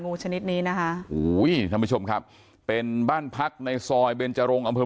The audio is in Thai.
งูชนิดนี้นะคะโอ้โหสามผู้ชมครับเป็นบ้านพักในซอยเบญจรง